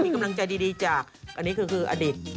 มีกำลังใจดีจากอันนี้คืออดีต